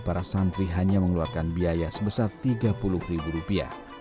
para santri hanya mengeluarkan biaya sebesar tiga puluh ribu rupiah